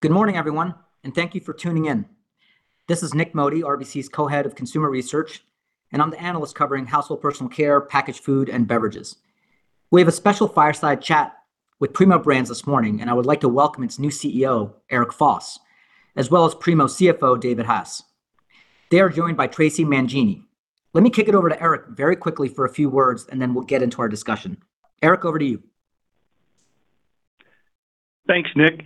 Good morning, everyone, and thank you for tuning in. This is Nik Modi, RBC's Co-Head of Consumer Research, and I'm the analyst covering household personal care, packaged food, and beverages. We have a special fireside chat with Primo Brands this morning, and I would like to welcome its new CEO, Eric Foss, as well as Primo CFO, David Hass. They are joined by Traci Mangini. Let me kick it over to Eric very quickly for a few words, and then we'll get into our discussion. Eric, over to you. Thanks, Nik.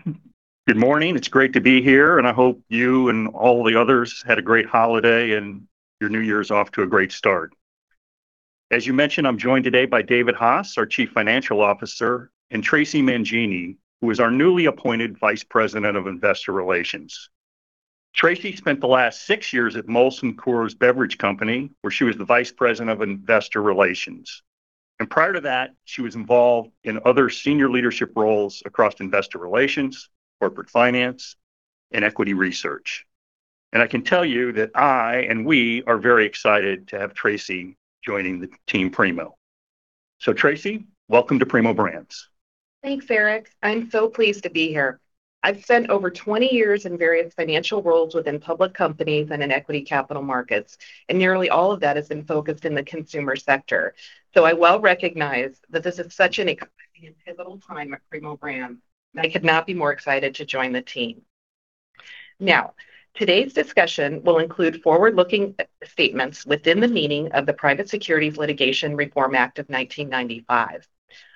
Good morning. It's great to be here, and I hope you and all the others had a great holiday and your new year's off to a great start. As you mentioned, I'm joined today by David Hass, our Chief Financial Officer, and Traci Mangini, who is our newly appointed Vice President of Investor Relations. Traci spent the last six years at Molson Coors Beverage Company, where she was the Vice President of Investor Relations. And prior to that, she was involved in other senior leadership roles across investor relations, corporate finance, and equity research. And I can tell you that I and we are very excited to have Traci joining the team Primo. So, Traci, welcome to Primo Brands. Thanks, Eric. I'm so pleased to be here. I've spent over 20 years in various financial roles within public companies and in equity capital markets, and nearly all of that has been focused in the consumer sector. So I well recognize that this is such an exciting and pivotal time at Primo Brands, and I could not be more excited to join the team. Now, today's discussion will include forward-looking statements within the meaning of the Private Securities Litigation Reform Act of 1995.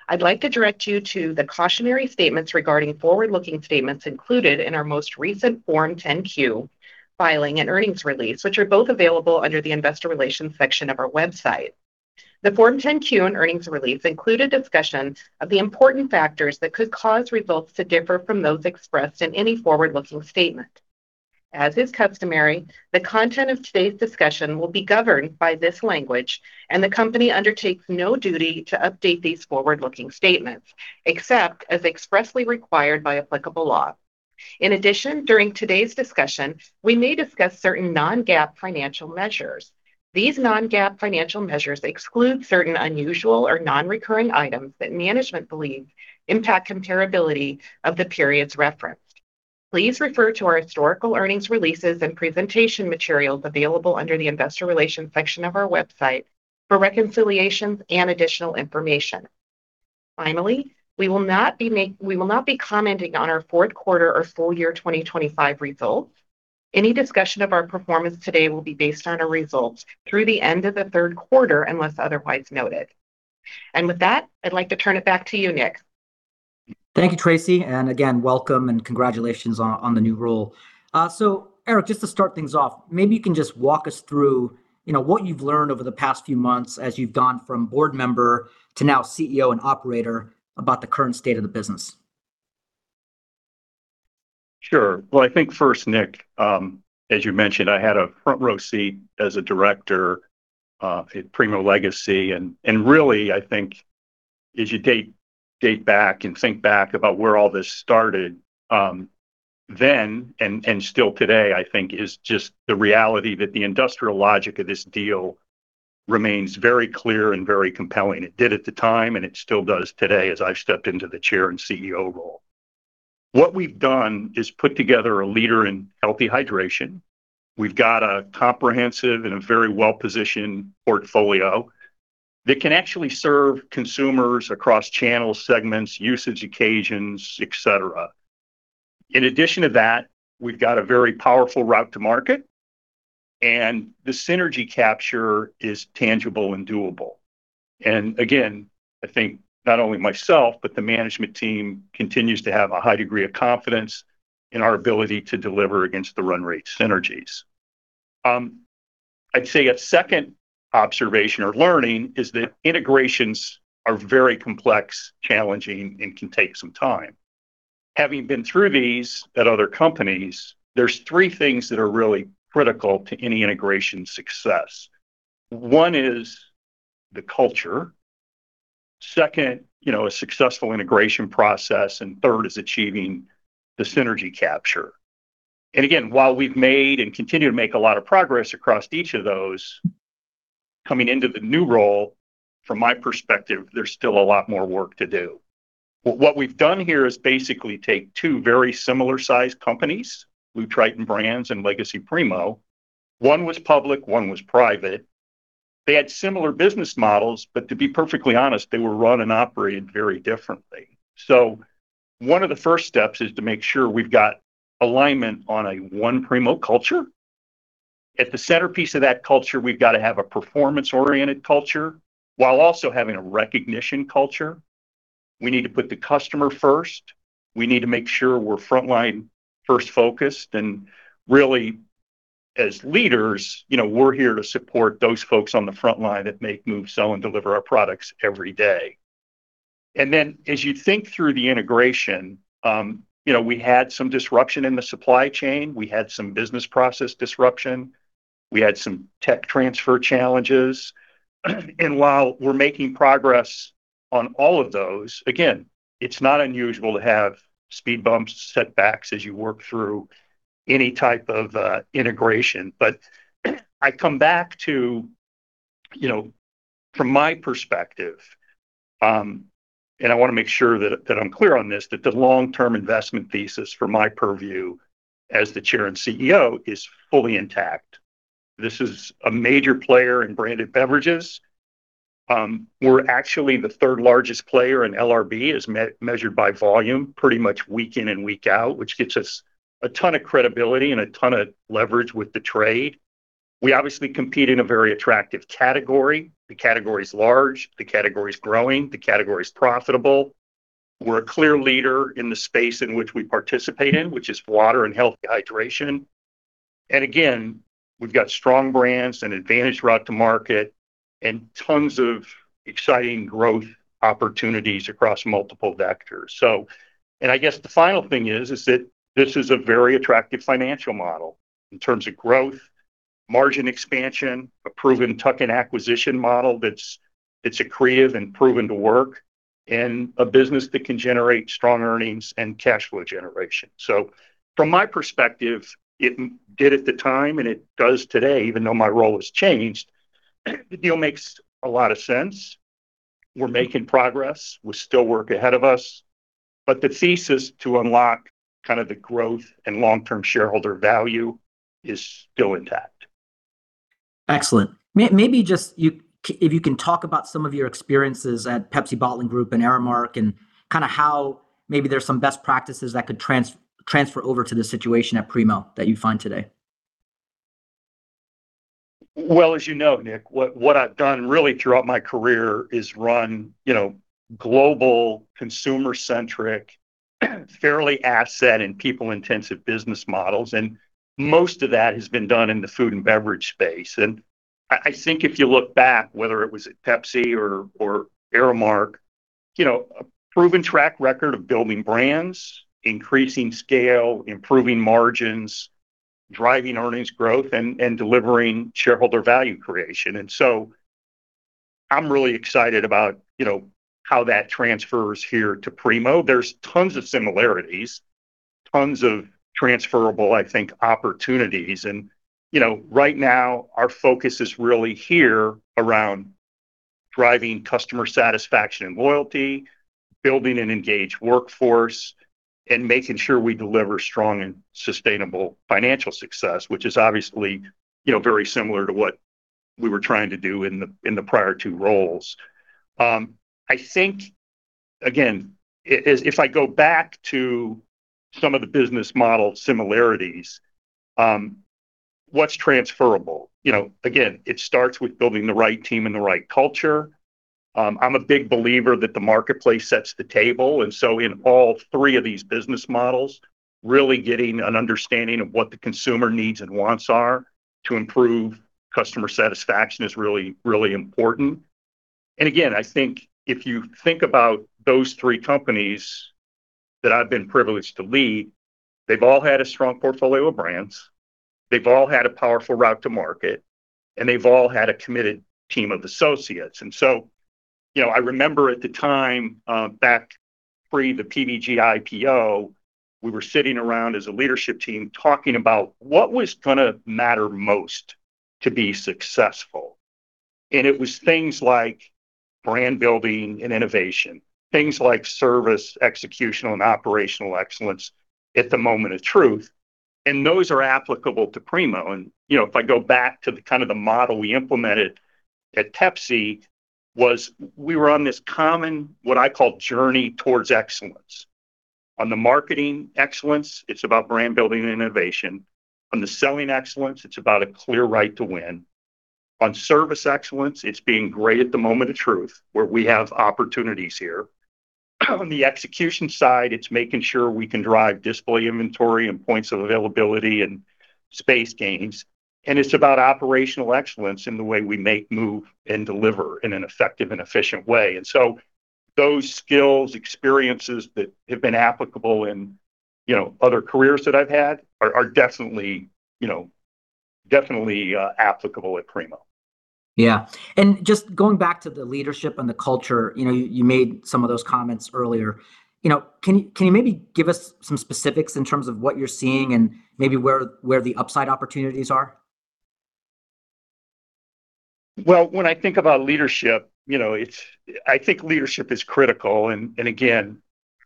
I'd like to direct you to the cautionary statements regarding forward-looking statements included in our most recent Form 10-Q filing and earnings release, which are both available under the Investor Relations section of our website. The Form 10-Q and earnings release include a discussion of the important factors that could cause results to differ from those expressed in any forward-looking statement. As is customary, the content of today's discussion will be governed by this language, and the company undertakes no duty to update these forward-looking statements, except as expressly required by applicable law. In addition, during today's discussion, we may discuss certain Non-GAAP financial measures. These Non-GAAP financial measures exclude certain unusual or non-recurring items that management believes impact comparability of the periods referenced. Please refer to our historical earnings releases and presentation materials available under the Investor Relations section of our website for reconciliations and additional information. Finally, we will not be commenting on our fourth quarter or full year 2025 results. Any discussion of our performance today will be based on our results through the end of the third quarter, unless otherwise noted, and with that, I'd like to turn it back to you, Nik. Thank you, Traci. And again, welcome and congratulations on the new role. So, Eric, just to start things off, maybe you can just walk us through what you've learned over the past few months as you've gone from board member to now CEO and operator about the current state of the business. Sure. Well, I think first, Nik, as you mentioned, I had a front row seat as a director at Primo Legacy, and really, I think as you date back and think back about where all this started then and still today, I think it is just the reality that the industrial logic of this deal remains very clear and very compelling. It did at the time, and it still does today as I've stepped into the chairman and CEO role. What we've done is put together a leader in healthy hydration. We've got a comprehensive and a very well-positioned portfolio that can actually serve consumers across channels, segments, usage occasions, et cetera. In addition to that, we've got a very powerful route to market, and the synergy capture is tangible and doable. And again, I think not only myself, but the management team continues to have a high degree of confidence in our ability to deliver against the run rate synergies. I'd say a second observation or learning is that integrations are very complex, challenging, and can take some time. Having been through these at other companies, there's three things that are really critical to any integration success. One is the culture. Second, a successful integration process. And third is achieving the synergy capture. And again, while we've made and continue to make a lot of progress across each of those, coming into the new role, from my perspective, there's still a lot more work to do. What we've done here is basically take two very similar-sized companies, BlueTriton Brands and Legacy Primo. One was public, one was private. They had similar business models, but to be perfectly honest, they were run and operated very differently. So one of the first steps is to make sure we've got alignment on a one Primo culture. At the centerpiece of that culture, we've got to have a performance-oriented culture while also having a recognition culture. We need to put the customer first. We need to make sure we're frontline-first focused. And really, as leaders, we're here to support those folks on the frontline that make moves, sell, and deliver our products every day. And then as you think through the integration, we had some disruption in the supply chain. We had some business process disruption. We had some tech transfer challenges. And while we're making progress on all of those, again, it's not unusual to have speed bumps, setbacks as you work through any type of integration. But I come back to, from my perspective, and I want to make sure that I'm clear on this, that the long-term investment thesis, from my purview as the Chair and CEO, is fully intact. This is a major player in branded beverages. We're actually the third largest player in LRB as measured by volume, pretty much week in and week out, which gets us a ton of credibility and a ton of leverage with the trade. We obviously compete in a very attractive category. The category is large. The category is growing. The category is profitable. We're a clear leader in the space in which we participate in, which is water and healthy hydration. And again, we've got strong brands and advantaged route to market and tons of exciting growth opportunities across multiple vectors. I guess the final thing is that this is a very attractive financial model in terms of growth, margin expansion, a proven tuck-in acquisition model that's accretive and proven to work, and a business that can generate strong earnings and cash flow generation. So from my perspective, it did at the time and it does today, even though my role has changed. The deal makes a lot of sense. We're making progress. We still have work ahead of us. But the thesis to unlock kind of the growth and long-term shareholder value is still intact. Excellent. Maybe just if you can talk about some of your experiences at Pepsi Bottling Group and Aramark and kind of how maybe there's some best practices that could transfer over to the situation at Primo that you find today. As you know, Nik, what I've done really throughout my career is run global consumer-centric, fairly asset- and people-intensive business models, and most of that has been done in the food and beverage space, and I think if you look back, whether it was at Pepsi or Aramark, a proven track record of building brands, increasing scale, improving margins, driving earnings growth, and delivering shareholder value creation, and so I'm really excited about how that transfers here to Primo. There's tons of similarities, tons of transferable, I think, opportunities, and right now, our focus is really here around driving customer satisfaction and loyalty, building an engaged workforce, and making sure we deliver strong and sustainable financial success, which is obviously very similar to what we were trying to do in the prior two roles. I think, again, if I go back to some of the business model similarities, what's transferable? Again, it starts with building the right team and the right culture. I'm a big believer that the marketplace sets the table. And so in all three of these business models, really getting an understanding of what the consumer needs and wants are to improve customer satisfaction is really, really important. And again, I think if you think about those three companies that I've been privileged to lead, they've all had a strong portfolio of brands. They've all had a powerful route to market, and they've all had a committed team of associates. And so I remember at the time, back pre the PBG IPO, we were sitting around as a leadership team talking about what was going to matter most to be successful. And it was things like brand building and innovation, things like service execution and operational excellence at the moment of truth. And those are applicable to Primo. And if I go back to the kind of model we implemented at Pepsi, we were on this common, what I call, journey towards excellence. On the marketing excellence, it is about brand building and innovation. On the selling excellence, it is about a clear right to win. On service excellence, it is being great at the moment of truth where we have opportunities here. On the execution side, it is making sure we can drive disparate inventory and points of availability and space gains. And it is about operational excellence in the way we make, move, and deliver in an effective and efficient way. And so those skills, experiences that have been applicable in other careers that I have had are definitely applicable at Primo. Yeah. And just going back to the leadership and the culture, you made some of those comments earlier. Can you maybe give us some specifics in terms of what you're seeing and maybe where the upside opportunities are? When I think about leadership, I think leadership is critical. Again,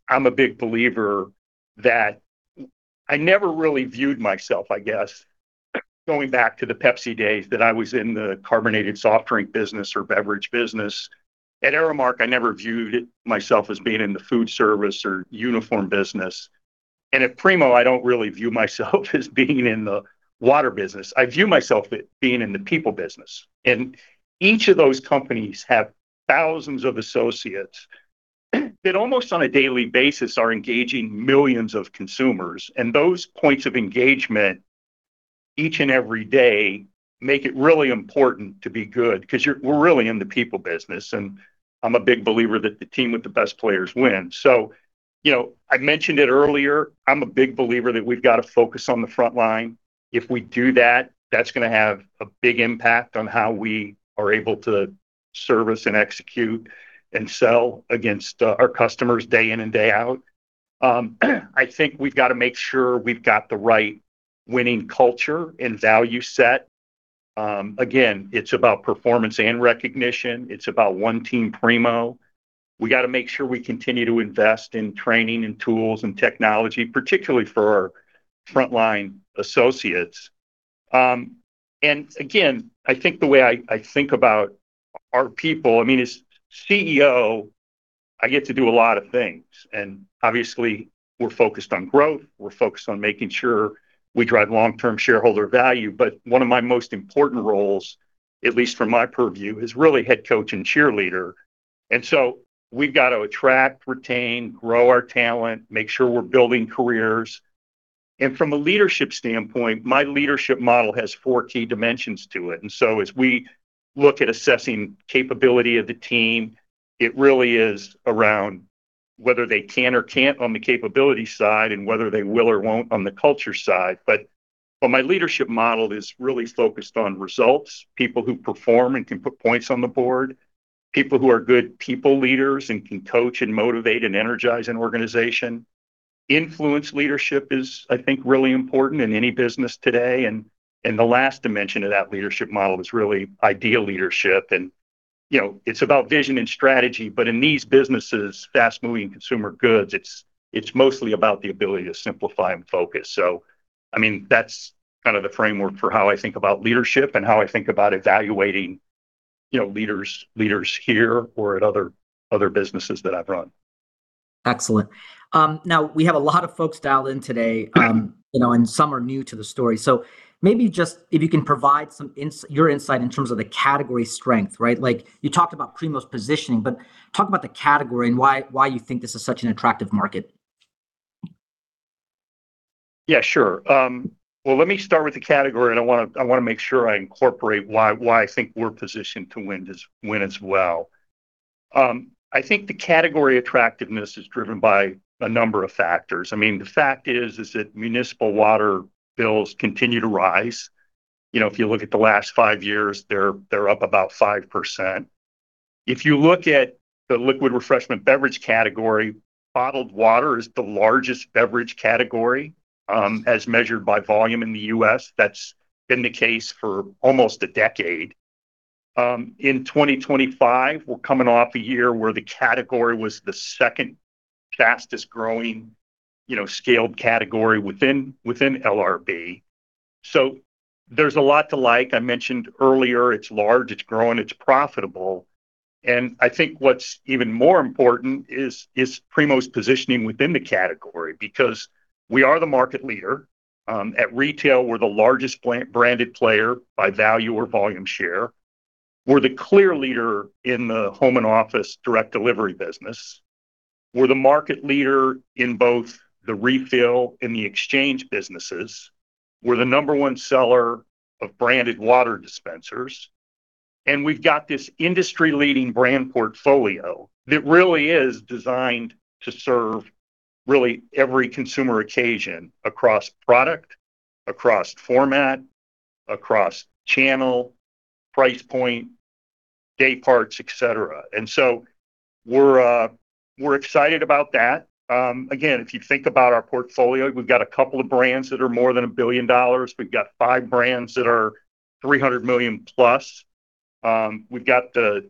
I'm a big believer that I never really viewed myself, I guess, going back to the Pepsi days that I was in the carbonated soft drink business or beverage business. At Aramark, I never viewed myself as being in the food service or uniform business. At Primo, I don't really view myself as being in the water business. I view myself as being in the people business. Each of those companies have thousands of associates that almost on a daily basis are engaging millions of consumers. Those points of engagement each and every day make it really important to be good because we're really in the people business. I'm a big believer that the team with the best players win. I mentioned it earlier. I'm a big believer that we've got to focus on the front line. If we do that, that's going to have a big impact on how we are able to service and execute and sell against our customers day in and day out. I think we've got to make sure we've got the right winning culture and value set. Again, it's about performance and recognition. It's about one team Primo. We got to make sure we continue to invest in training and tools and technology, particularly for our frontline associates. And again, I think the way I think about our people, I mean, as CEO, I get to do a lot of things. And obviously, we're focused on growth. We're focused on making sure we drive long-term shareholder value. But one of my most important roles, at least from my purview, is really head coach and cheerleader. And so we've got to attract, retain, grow our talent, make sure we're building careers. And from a leadership standpoint, my leadership model has four key dimensions to it. And so as we look at assessing capability of the team, it really is around whether they can or can't on the capability side and whether they will or won't on the culture side. But my leadership model is really focused on results, people who perform and can put points on the board, people who are good people leaders and can coach and motivate and energize an organization. Influence leadership is, I think, really important in any business today. And the last dimension of that leadership model is really ideal leadership. And it's about vision and strategy. But in these businesses, fast-moving consumer goods, it's mostly about the ability to simplify and focus. So I mean, that's kind of the framework for how I think about leadership and how I think about evaluating leaders here or at other businesses that I've run. Excellent. Now, we have a lot of folks dialed in today, and some are new to the story. So maybe just if you can provide some of your insight in terms of the category strength, right? You talked about Primo's positioning, but talk about the category and why you think this is such an attractive market. Yeah, sure. Well, let me start with the category, and I want to make sure I incorporate why I think we're positioned to win as well. I think the category attractiveness is driven by a number of factors. I mean, the fact is that municipal water bills continue to rise. If you look at the last five years, they're up about 5%. If you look at the liquid refreshment beverage category, bottled water is the largest beverage category as measured by volume in the U.S. That's been the case for almost a decade. In 2025, we're coming off a year where the category was the second fastest-growing scaled category within LRB. So there's a lot to like. I mentioned earlier, it's large, it's growing, it's profitable. And I think what's even more important is Primo's positioning within the category because we are the market leader. At retail, we're the largest branded player by value or volume share. We're the clear leader in the home and office direct delivery business. We're the market leader in both the refill and the exchange businesses. We're the number one seller of branded water dispensers. And we've got this industry-leading brand portfolio that really is designed to serve really every consumer occasion across product, across format, across channel, price point, day parts, etc. And so we're excited about that. Again, if you think about our portfolio, we've got a couple of brands that are more than $1 billion. We've got five brands that are $300 million plus. We've got the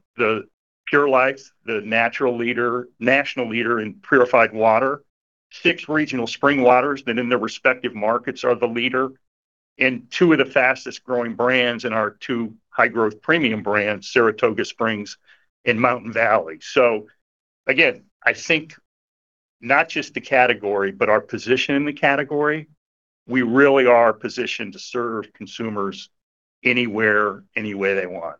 Pure Life, the natural leader, national leader in purified water, six regional spring waters that in their respective markets are the leader, and two of the fastest-growing brands in our two high-growth premium brands, Saratoga Springs and Mountain Valley. So again, I think not just the category, but our position in the category, we really are positioned to serve consumers anywhere, any way they want.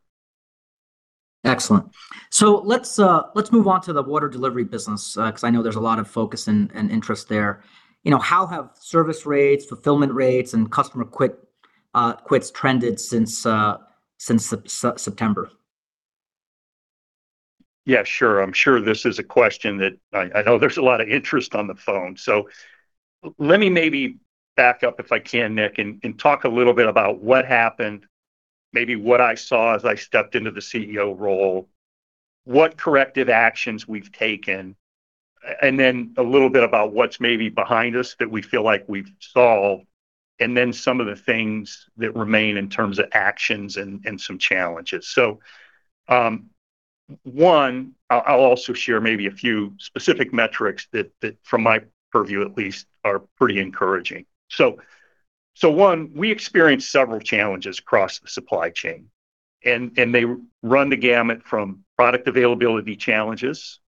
Excellent. So let's move on to the water delivery business because I know there's a lot of focus and interest there. How have service rates, fulfillment rates, and customer quits trended since September? Yeah, sure. I'm sure this is a question that I know there's a lot of interest on the phone. So let me maybe back up if I can, Nik, and talk a little bit about what happened, maybe what I saw as I stepped into the CEO role, what corrective actions we've taken, and then a little bit about what's maybe behind us that we feel like we've solved, and then some of the things that remain in terms of actions and some challenges. So one, I'll also share maybe a few specific metrics that, from my purview at least, are pretty encouraging. So one, we experienced several challenges across the supply chain. And they run the gamut from product availability challenges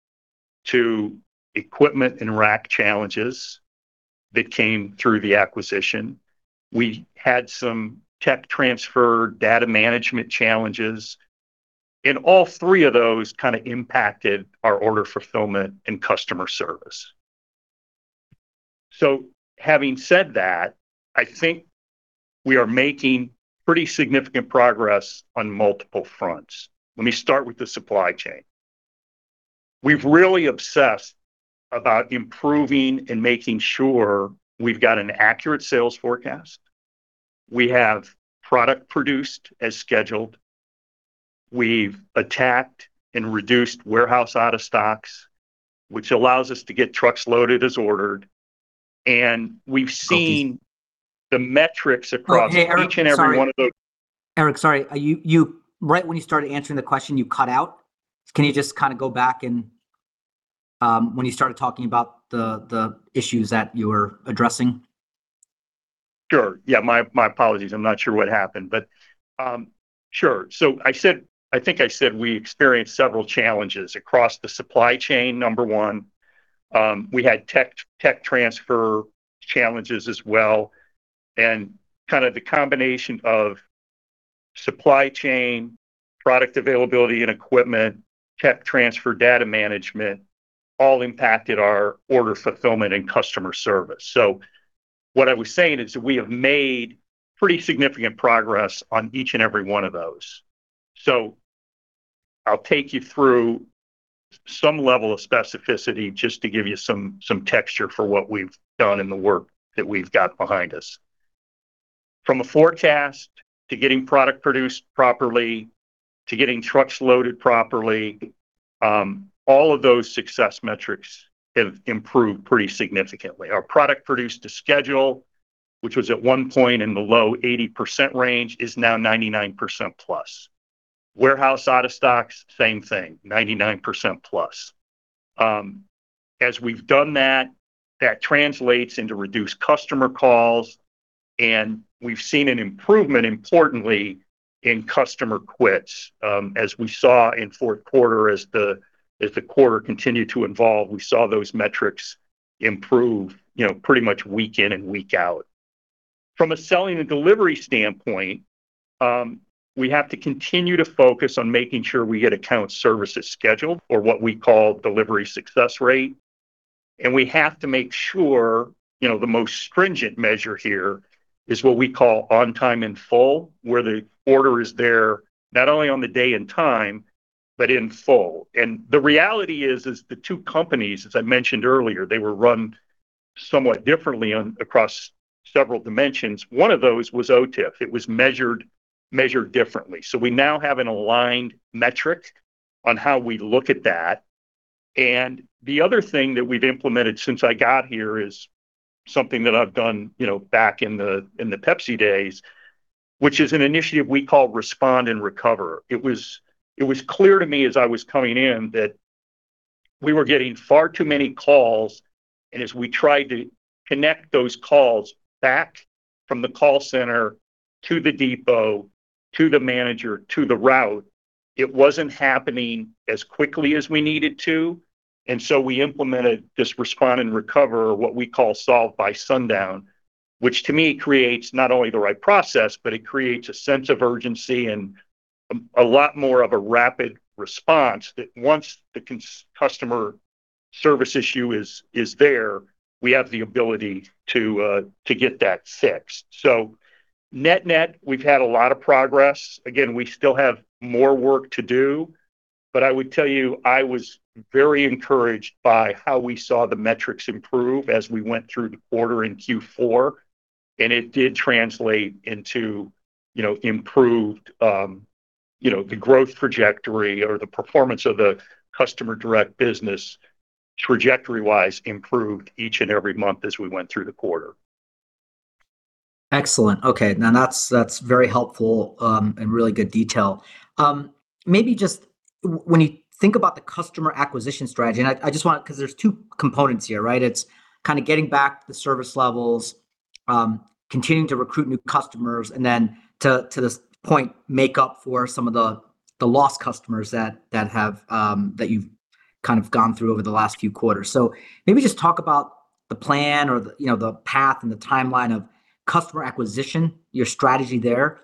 to equipment and rack challenges that came through the acquisition. We had some tech transfer data management challenges. And all three of those kind of impacted our order fulfillment and customer service. So having said that, I think we are making pretty significant progress on multiple fronts. Let me start with the supply chain. We've really obsessed about improving and making sure we've got an accurate sales forecast. We have product produced as scheduled. We've attacked and reduced warehouse out of stocks, which allows us to get trucks loaded as ordered. And we've seen the metrics across each and every one of those. Eric, sorry. Right when you started answering the question, you cut out. Can you just kind of go back when you started talking about the issues that you were addressing? Sure. Yeah. My apologies. I'm not sure what happened, but sure, so I think I said we experienced several challenges across the supply chain, number one. We had tech transfer challenges as well, and kind of the combination of supply chain, product availability and equipment, tech transfer data management, all impacted our order fulfillment and customer service. So what I was saying is that we have made pretty significant progress on each and every one of those, so I'll take you through some level of specificity just to give you some texture for what we've done in the work that we've got behind us. From a forecast to getting product produced properly to getting trucks loaded properly, all of those success metrics have improved pretty significantly. Our product produced to schedule, which was at one point in the low 80% range, is now 99%+. Warehouse out of stocks, same thing, 99%+. As we've done that, that translates into reduced customer calls. And we've seen an improvement, importantly, in customer quits. As we saw in fourth quarter, as the quarter continued to evolve, we saw those metrics improve pretty much week in and week out. From a selling and delivery standpoint, we have to continue to focus on making sure we get account services scheduled or what we call delivery success rate. And we have to make sure the most stringent measure here is what we call on time in full, where the order is there not only on the day and time, but in full. And the reality is, the two companies, as I mentioned earlier, they were run somewhat differently across several dimensions. One of those was OTIF. It was measured differently. So we now have an aligned metric on how we look at that. And the other thing that we've implemented since I got here is something that I've done back in the Pepsi days, which is an initiative we call Respond and Recover. It was clear to me as I was coming in that we were getting far too many calls. And as we tried to connect those calls back from the call center to the depot, to the manager, to the route, it wasn't happening as quickly as we needed to. And so we implemented this Respond and Recover, what we call Solve by Sundown, which to me creates not only the right process, but it creates a sense of urgency and a lot more of a rapid response that once the customer service issue is there, we have the ability to get that fixed. So net-net, we've had a lot of progress. Again, we still have more work to do. But I would tell you, I was very encouraged by how we saw the metrics improve as we went through the quarter in Q4. And it did translate into improved growth trajectory or the performance of the customer direct business trajectory-wise, improved each and every month as we went through the quarter. Excellent. Okay. Now, that's very helpful and really good detail. Maybe just when you think about the customer acquisition strategy, and I just want to because there's two components here, right? It's kind of getting back the service levels, continuing to recruit new customers, and then to this point, make up for some of the lost customers that you've kind of gone through over the last few quarters. So maybe just talk about the plan or the path and the timeline of customer acquisition, your strategy there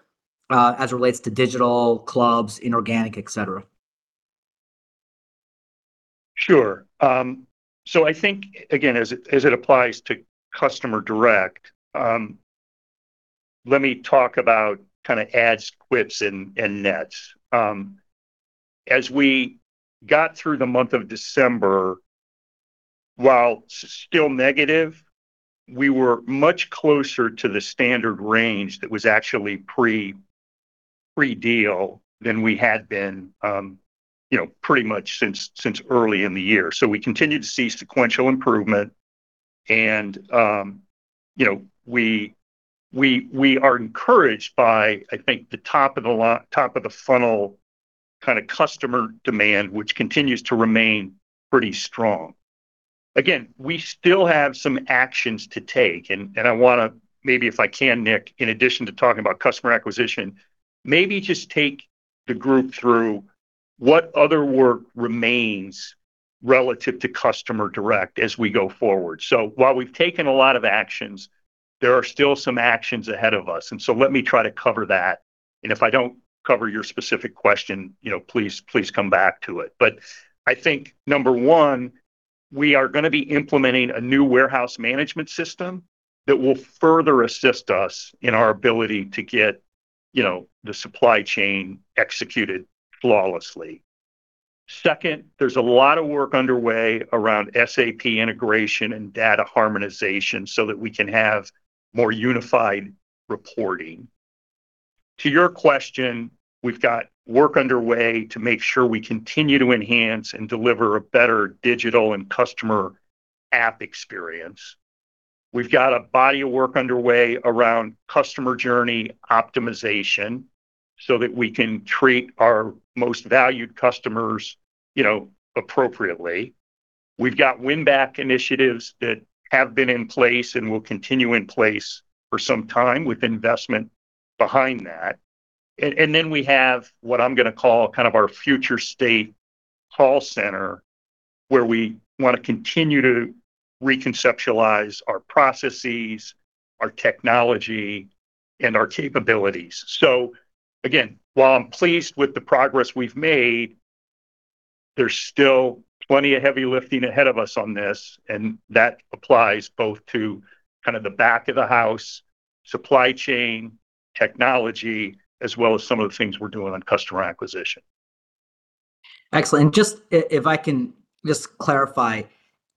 as it relates to digital clubs, inorganic, etc. Sure, so I think, again, as it applies to customer direct, let me talk about kind of ads, quits, and nets. As we got through the month of December, while still negative, we were much closer to the standard range that was actually pre-deal than we had been pretty much since early in the year, so we continued to see sequential improvement, and we are encouraged by, I think, the top of the funnel kind of customer demand, which continues to remain pretty strong. Again, we still have some actions to take, and I want to maybe, if I can, Nik, in addition to talking about customer acquisition, maybe just take the group through what other work remains relative to customer direct as we go forward, so while we've taken a lot of actions, there are still some actions ahead of us, and so let me try to cover that. If I don't cover your specific question, please come back to it. But I think, number one, we are going to be implementing a new warehouse management system that will further assist us in our ability to get the supply chain executed flawlessly. Second, there's a lot of work underway around SAP integration and data harmonization so that we can have more unified reporting. To your question, we've got work underway to make sure we continue to enhance and deliver a better digital and customer app experience. We've got a body of work underway around customer journey optimization so that we can treat our most valued customers appropriately. We've got win-back initiatives that have been in place and will continue in place for some time with investment behind that. And then we have what I'm going to call kind of our future state call center where we want to continue to reconceptualize our processes, our technology, and our capabilities. So again, while I'm pleased with the progress we've made, there's still plenty of heavy lifting ahead of us on this. And that applies both to kind of the back of the house, supply chain, technology, as well as some of the things we're doing on customer acquisition. Excellent. And just if I can just clarify,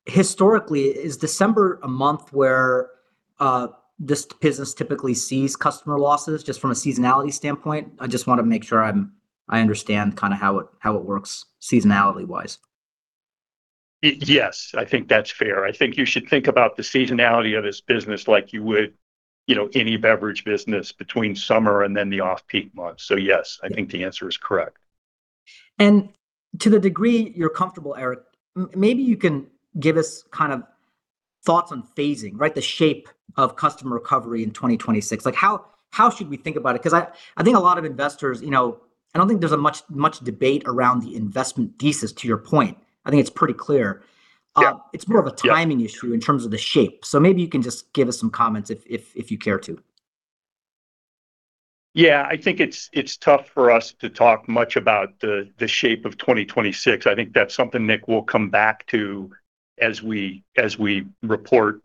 historically, is December a month where this business typically sees customer losses just from a seasonality standpoint? I just want to make sure I understand kind of how it works seasonality-wise. Yes. I think that's fair. I think you should think about the seasonality of this business like you would any beverage business between summer and then the off-peak months. So yes, I think the answer is correct. And to the degree you're comfortable, Eric, maybe you can give us kind of thoughts on phasing, right, the shape of customer recovery in 2026. How should we think about it? Because I think a lot of investors, I don't think there's much debate around the investment thesis to your point. I think it's pretty clear. It's more of a timing issue in terms of the shape. So maybe you can just give us some comments if you care to. Yeah. I think it's tough for us to talk much about the shape of 2026. I think that's something Nik will come back to as we report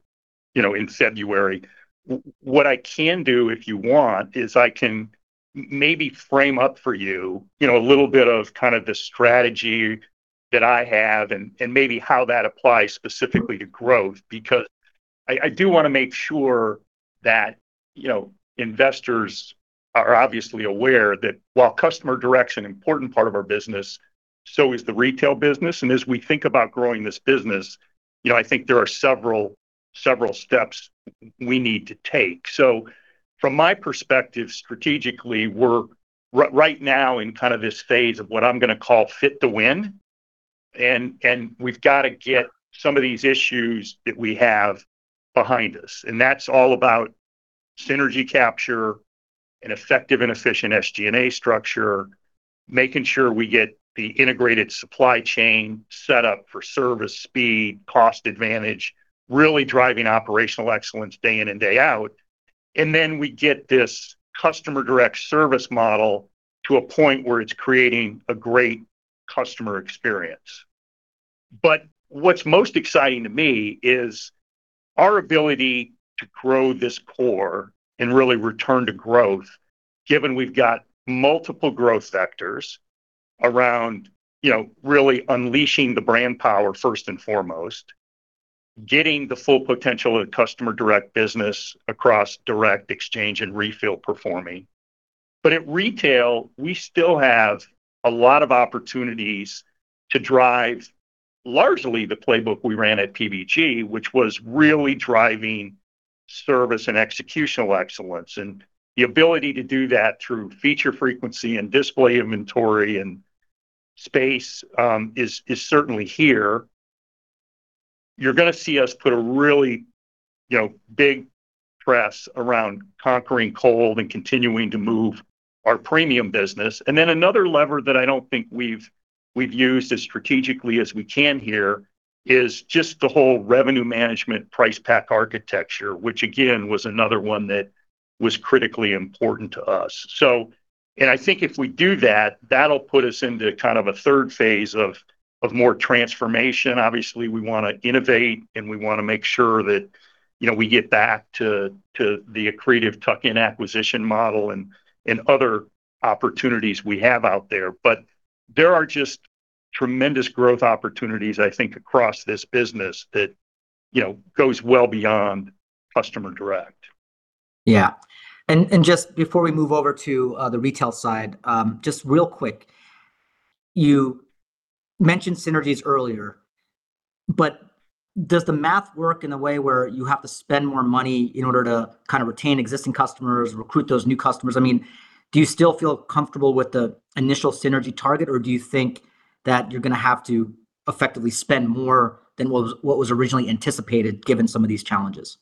in February. What I can do if you want is I can maybe frame up for you a little bit of kind of the strategy that I have and maybe how that applies specifically to growth because I do want to make sure that investors are obviously aware that while customer direct is an important part of our business, so is the retail business. And as we think about growing this business, I think there are several steps we need to take. So from my perspective, strategically, we're right now in kind of this phase of what I'm going to call Fit to Win. And we've got to get some of these issues that we have behind us. And that's all about synergy capture, an effective and efficient SG&A structure, making sure we get the integrated supply chain set up for service speed, cost advantage, really driving operational excellence day in and day out. And then we get this customer direct service model to a point where it's creating a great customer experience. But what's most exciting to me is our ability to grow this core and really return to growth, given we've got multiple growth vectors around really unleashing the brand power first and foremost, getting the full potential of the customer direct business across direct exchange and refill performing. But at retail, we still have a lot of opportunities to drive largely the playbook we ran at PBG, which was really driving service and executional excellence. And the ability to do that through feature frequency and display inventory and space is certainly here. You're going to see us put a really big push around conquering cold and continuing to move our premium business, and then another lever that I don't think we've used as strategically as we can here is just the whole revenue management price pack architecture, which again was another one that was critically important to us, and I think if we do that, that'll put us into kind of a third phase of more transformation. Obviously, we want to innovate and we want to make sure that we get back to the accretive tuck-in acquisition model and other opportunities we have out there, but there are just tremendous growth opportunities, I think, across this business that goes well beyond customer direct. Yeah. And just before we move over to the retail side, just real quick, you mentioned synergies earlier, but does the math work in a way where you have to spend more money in order to kind of retain existing customers, recruit those new customers? I mean, do you still feel comfortable with the initial synergy target, or do you think that you're going to have to effectively spend more than what was originally anticipated given some of these challenges?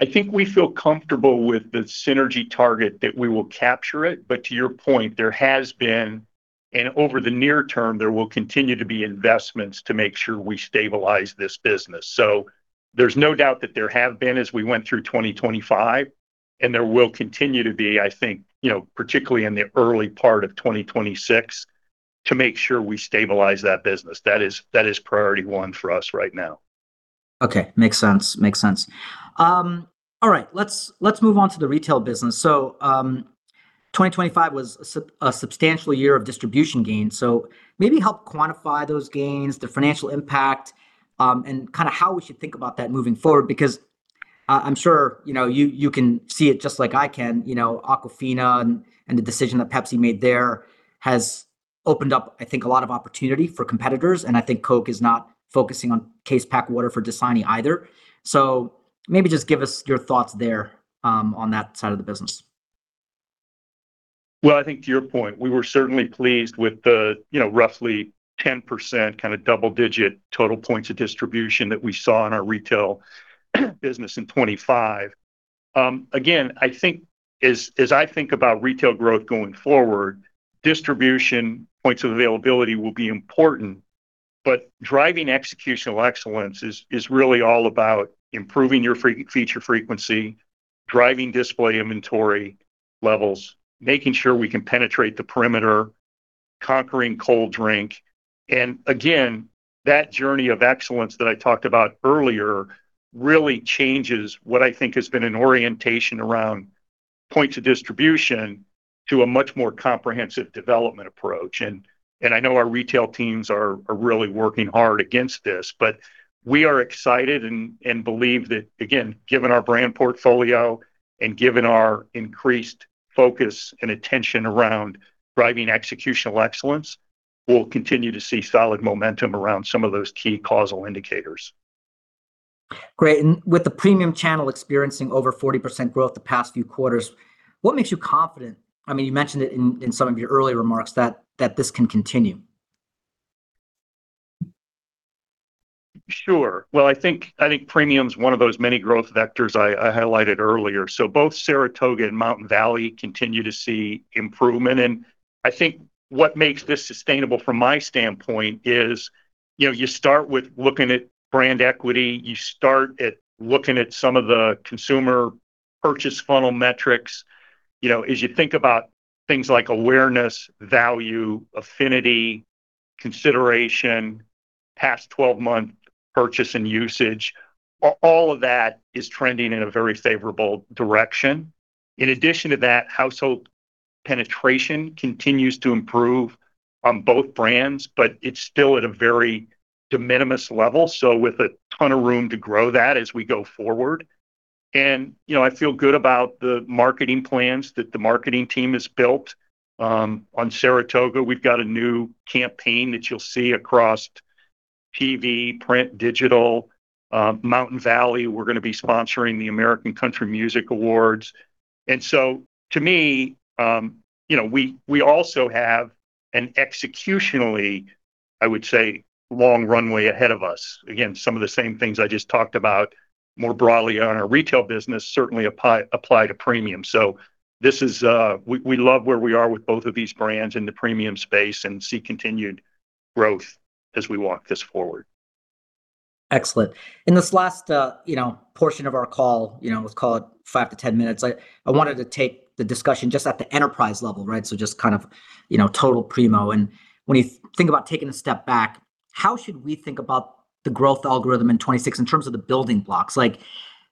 I think we feel comfortable with the synergy target that we will capture it. But to your point, there has been, and over the near term, there will continue to be investments to make sure we stabilize this business. So there's no doubt that there have been as we went through 2025, and there will continue to be, I think, particularly in the early part of 2026, to make sure we stabilize that business. That is priority one for us right now. Okay. Makes sense. Makes sense. All right. Let's move on to the retail business. So 2025 was a substantial year of distribution gains. So maybe help quantify those gains, the financial impact, and kind of how we should think about that moving forward because I'm sure you can see it just like I can. Aquafina and the decision that Pepsi made there has opened up, I think, a lot of opportunity for competitors. And I think Coke is not focusing on case pack water for Dasani either. So maybe just give us your thoughts there on that side of the business. I think to your point, we were certainly pleased with the roughly 10% kind of double-digit total points of distribution that we saw in our retail business in 2025. Again, as I think about retail growth going forward, distribution points of availability will be important, but driving executional excellence is really all about improving your feature frequency, driving display inventory levels, making sure we can penetrate the perimeter, conquering cold drink. Again, that journey of excellence that I talked about earlier really changes what I think has been an orientation around points of distribution to a much more comprehensive development approach. And I know our retail teams are really working hard against this, but we are excited and believe that, again, given our brand portfolio and given our increased focus and attention around driving executional excellence, we'll continue to see solid momentum around some of those key causal indicators. Great. And with the premium channel experiencing over 40% growth the past few quarters, what makes you confident? I mean, you mentioned it in some of your earlier remarks that this can continue. Sure. Well, I think premium is one of those many growth vectors I highlighted earlier. So both Saratoga and Mountain Valley continue to see improvement. And I think what makes this sustainable from my standpoint is you start with looking at brand equity. You start at looking at some of the consumer purchase funnel metrics. As you think about things like awareness, value, affinity, consideration, past 12-month purchase and usage, all of that is trending in a very favorable direction. In addition to that, household penetration continues to improve on both brands, but it's still at a very de minimis level. So with a ton of room to grow that as we go forward. And I feel good about the marketing plans that the marketing team has built on Saratoga. We've got a new campaign that you'll see across TV, print, digital. Mountain Valley, we're going to be sponsoring the American Country Music Awards, and so to me, we also have an executionally, I would say, long runway ahead of us. Again, some of the same things I just talked about more broadly on our retail business certainly apply to premium, so we love where we are with both of these brands in the premium space and see continued growth as we walk this forward. Excellent. In this last portion of our call, it was called five to 10 minutes. I wanted to take the discussion just at the enterprise level, right? So just kind of total Primo, and when you think about taking a step back, how should we think about the growth algorithm in 2026 in terms of the building blocks?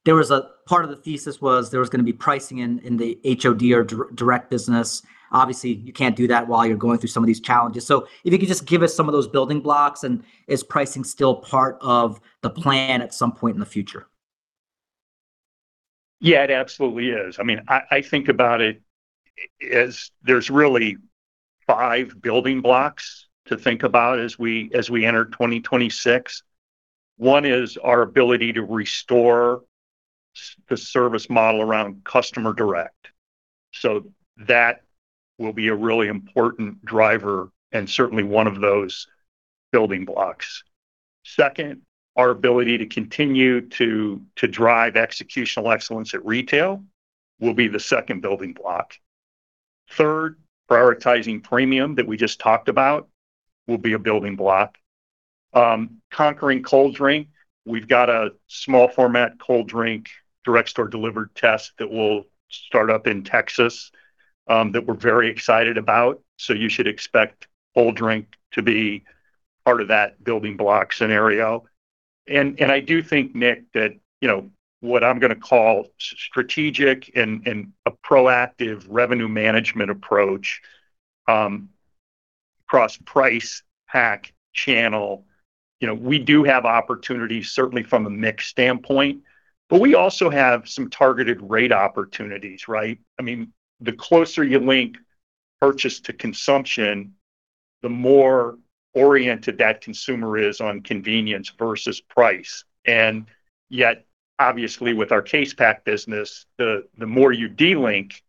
There was a part of the thesis was there was going to be pricing in the HOD or direct business. Obviously, you can't do that while you're going through some of these challenges. So if you could just give us some of those building blocks, and is pricing still part of the plan at some point in the future? Yeah, it absolutely is. I mean, I think about it as there's really five building blocks to think about as we enter 2026. One is our ability to restore the service model around customer direct. So that will be a really important driver and certainly one of those building blocks. Second, our ability to continue to drive executional excellence at retail will be the second building block. Third, prioritizing premium that we just talked about will be a building block. Conquering cold drink. We've got a small format cold drink direct store delivered test that will start up in Texas that we're very excited about. So you should expect cold drink to be part of that building block scenario. I do think, Nik, that what I'm going to call a strategic and a proactive revenue management approach across price, pack, channel, we do have opportunities certainly from a mix standpoint, but we also have some targeted rate opportunities, right? I mean, the closer you link purchase to consumption, the more oriented that consumer is on convenience versus price. And yet, obviously, with our case pack business, the more you delink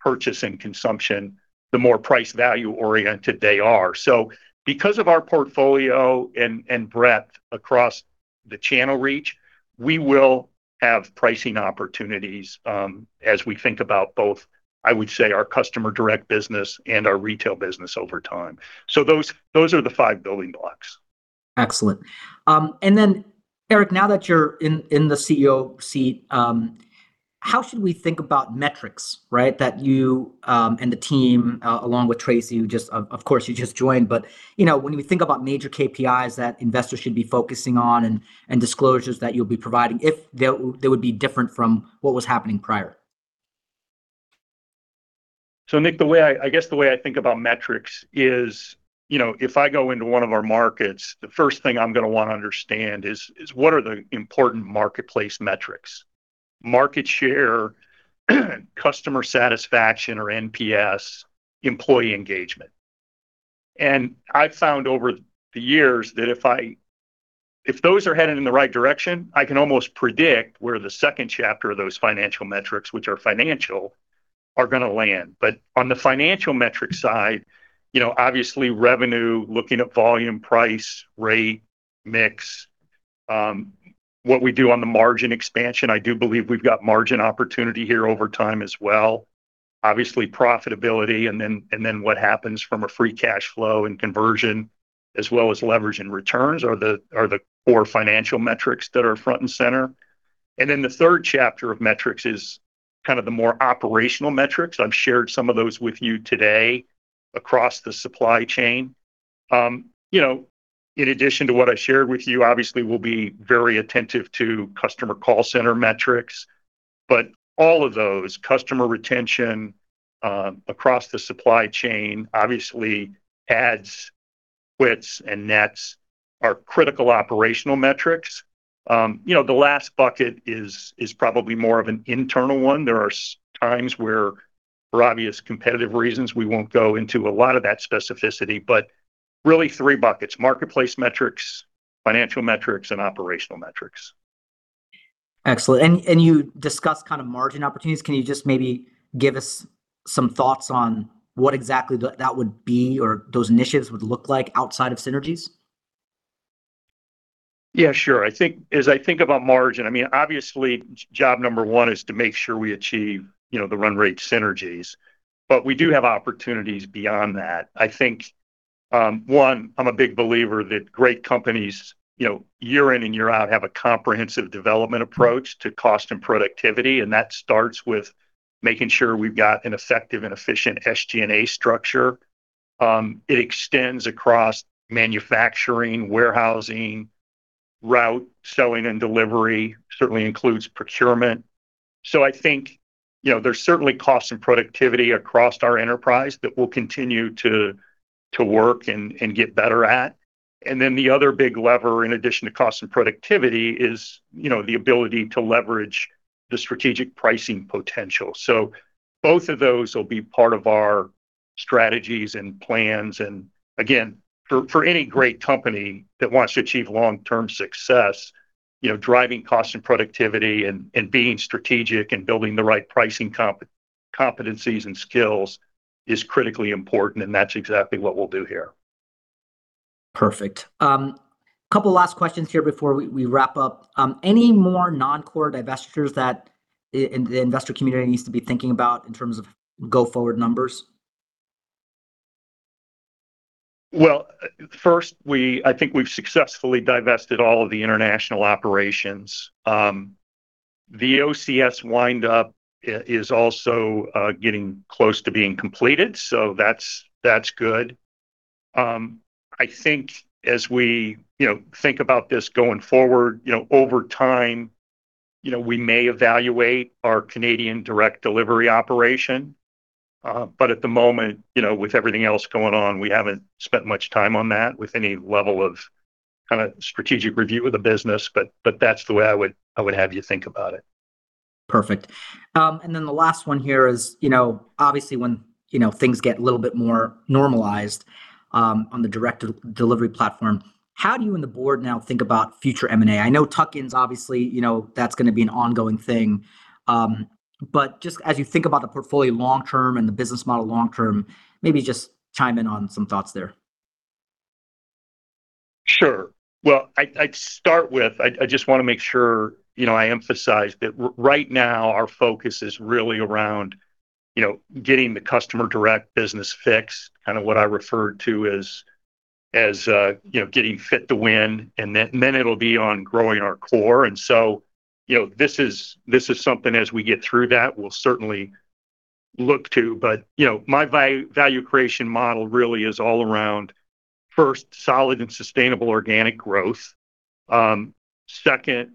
purchase and consumption, the more price value oriented they are. So because of our portfolio and breadth across the channel reach, we will have pricing opportunities as we think about both, I would say, our customer direct business and our retail business over time. So those are the five building blocks. Excellent. And then, Eric, now that you're in the CEO seat, how should we think about metrics, right, that you and the team along with Traci, of course, you just joined, but when we think about major KPIs that investors should be focusing on and disclosures that you'll be providing, if they would be different from what was happening prior? So Nik, I guess the way I think about metrics is if I go into one of our markets, the first thing I'm going to want to understand is what are the important marketplace metrics: market share, customer satisfaction, or NPS, employee engagement, and I've found over the years that if those are headed in the right direction, I can almost predict where the second chapter of those financial metrics, which are financial, are going to land, but on the financial metric side, obviously, revenue, looking at volume, price, rate, mix, what we do on the margin expansion. I do believe we've got margin opportunity here over time as well. Obviously, profitability and then what happens from a free cash flow and conversion as well as leverage and returns are the core financial metrics that are front and center. And then the third chapter of metrics is kind of the more operational metrics. I've shared some of those with you today across the supply chain. In addition to what I shared with you, obviously, we'll be very attentive to customer call center metrics. But all of those, customer retention across the supply chain, obviously, ads, quits, and nets are critical operational metrics. The last bucket is probably more of an internal one. There are times where, for obvious competitive reasons, we won't go into a lot of that specificity, but really three buckets: marketplace metrics, financial metrics, and operational metrics. Excellent, and you discussed kind of margin opportunities. Can you just maybe give us some thoughts on what exactly that would be or those initiatives would look like outside of synergies? Yeah, sure. I think as I think about margin, I mean, obviously, job number one is to make sure we achieve the run rate synergies, but we do have opportunities beyond that. I think, one, I'm a big believer that great companies year in and year out have a comprehensive development approach to cost and productivity and that starts with making sure we've got an effective and efficient SG&A structure. It extends across manufacturing, warehousing, route, selling, and delivery. Certainly includes procurement, so I think there's certainly cost and productivity across our enterprise that will continue to work and get better at and then the other big lever, in addition to cost and productivity, is the ability to leverage the strategic pricing potential, so both of those will be part of our strategies and plans. Again, for any great company that wants to achieve long-term success, driving cost and productivity and being strategic and building the right pricing competencies and skills is critically important. That's exactly what we'll do here. Perfect. A couple of last questions here before we wrap up. Any more non-core divestitures that the investor community needs to be thinking about in terms of go forward numbers? First, I think we've successfully divested all of the international operations. The OCS windup is also getting close to being completed. That's good. I think as we think about this going forward, over time, we may evaluate our Canadian direct delivery operation. At the moment, with everything else going on, we haven't spent much time on that with any level of kind of strategic review of the business. That's the way I would have you think about it. Perfect. And then the last one here is, obviously, when things get a little bit more normalized on the direct delivery platform, how do you and the board now think about future M&A? I know tuck-ins, obviously, that's going to be an ongoing thing. But just as you think about the portfolio long term and the business model long term, maybe just chime in on some thoughts there. Sure. Well, I'd start with I just want to make sure I emphasize that right now, our focus is really around getting the customer direct business fixed, kind of what I referred to as getting fit to win. And then it'll be on growing our core. And so this is something as we get through that, we'll certainly look to. But my value creation model really is all around first, solid and sustainable organic growth. Second,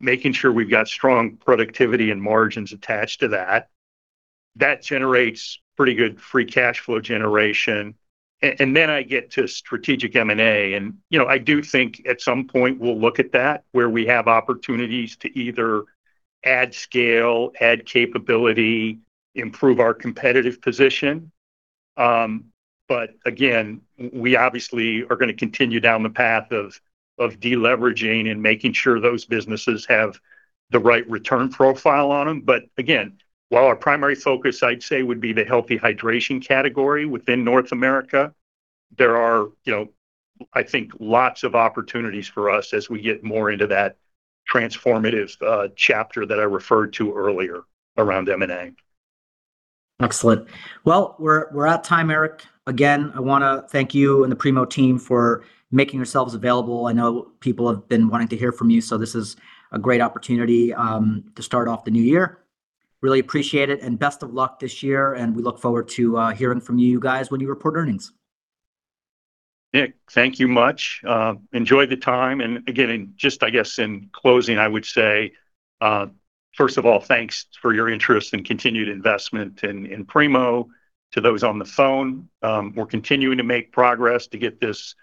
making sure we've got strong productivity and margins attached to that. That generates pretty good free cash flow generation. And then I get to strategic M&A. And I do think at some point we'll look at that where we have opportunities to either add scale, add capability, improve our competitive position. But again, we obviously are going to continue down the path of deleveraging and making sure those businesses have the right return profile on them. But again, while our primary focus, I'd say, would be the healthy hydration category within North America, there are, I think, lots of opportunities for us as we get more into that transformative chapter that I referred to earlier around M&A. Excellent. Well, we're at time, Eric. Again, I want to thank you and the Primo team for making yourselves available. I know people have been wanting to hear from you. So this is a great opportunity to start off the new year. Really appreciate it. And best of luck this year. And we look forward to hearing from you guys when you report earnings. Nik, thank you much. Enjoy the time. And again, just I guess in closing, I would say, first of all, thanks for your interest and continued investment in Primo. To those on the phone, we're continuing to make progress to get this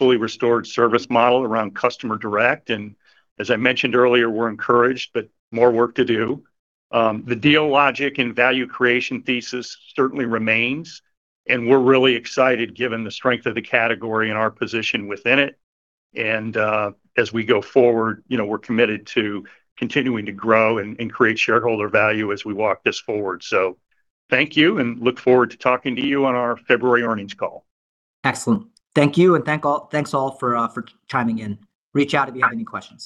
fully restored service model around customer direct. And as I mentioned earlier, we're encouraged, but more work to do. The deal logic and value creation thesis certainly remains. And we're really excited given the strength of the category and our position within it. And as we go forward, we're committed to continuing to grow and create shareholder value as we walk this forward. So thank you and look forward to talking to you on our February earnings call. Excellent. Thank you. And thanks all for chiming in. Reach out if you have any questions.